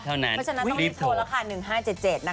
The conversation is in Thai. เพราะฉะนั้นต้องรีบโทรแล้วค่ะ๑๕๗๗นะคะ